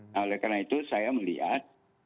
nah oleh karena itu saya melihat